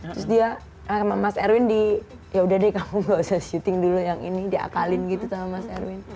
terus dia sama mas erwin di yaudah deh kamu gak usah syuting dulu yang ini diakalin gitu sama mas erwin